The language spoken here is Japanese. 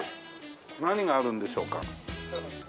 何があるんでしょうか。